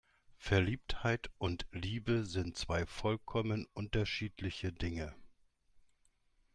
Verliebtheit und Liebe sind zwei vollkommen unterschiedliche Dinge.